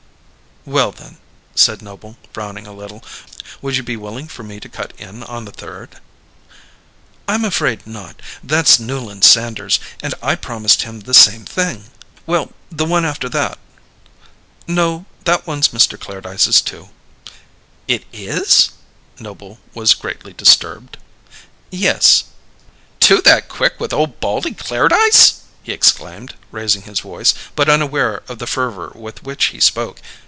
"Well, then," said Noble, frowning a little, "would you be willing for me to cut in on the third?" "I'm afraid not. That's Newland Sanders', and I promised him the same thing." "Well, the one after that?" "No, that one's Mr. Clairdyce's, too." "It is?" Noble was greatly disturbed. "Yes." "Two that quick with old Baldy Clairdyce!" he exclaimed, raising his voice, but unaware of the fervour with which he spoke.